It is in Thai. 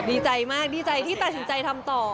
ดีใจมากดีใจที่ตัดสินใจทำต่อ